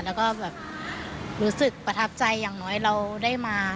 แล้วก็แบบรู้สึกประทับใจอย่างน้อยเราได้มา